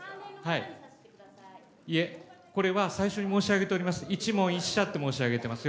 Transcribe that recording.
いえ、これは最初に申し上げております、１問１社と申し上げてます。